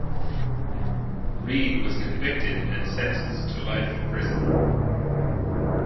Reid was convicted and sentenced to life imprisonment.